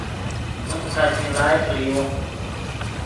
من قاچین ڑائے فریو